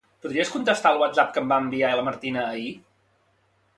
Podries contestar el whatsapp que em va enviar la Martina ahir?